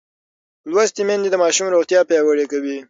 لوستې میندې د ماشوم روغتیا پیاوړې کوي.